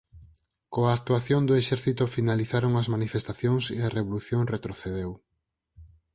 Coa actuación do exército finalizaron as manifestacións e a revolución retrocedeu.